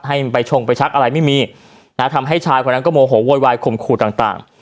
ให้ไปชงไปชักอะไรไม่มีนะทำให้ชายคนนั้นก็โมโหโวยวายข่มขู่ต่างต่าง